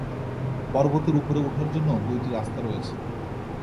পর্বতের উপরে উঠার জন্য দুইটি রাস্তা রয়েছে।